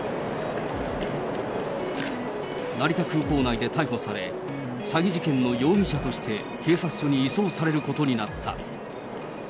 成田空港内で逮捕され、詐欺事件の容疑者として警察署に移送されることになった。